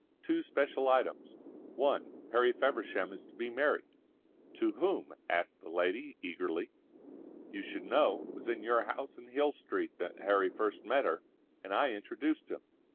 "Two special items. One, Harry Feversham is to be married." "To whom?" asked the lady, eagerly. "You should know. It was in your house in Hill Street that Harry first met her; and I introduced him.